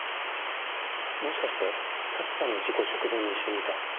もしかして早智さんの事故直前に一緒にいた。